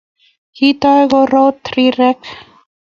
Kitoy korot rirek